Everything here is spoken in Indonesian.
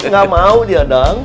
gak mau dia dong